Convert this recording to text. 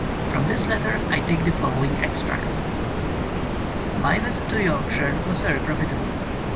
From this letter I take the fol lowing extracts: *^My visit to Yorkshire was very profit able.